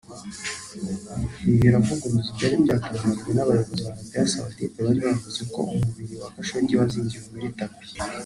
Ibi biravuguruza ibyari byatangajwe n’abayobozi muri Arabie Saoudite bari bavuze ko umubiri wa Khashoggi wazingiwe muri tapis